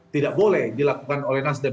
tidak boleh dilakukan oleh nasdem